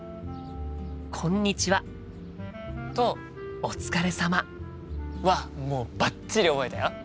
「こんにちは」と「お疲れ様」はもうバッチリ覚えたよ。